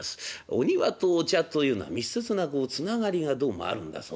お庭とお茶というのは密接なつながりがどうもあるんだそうでね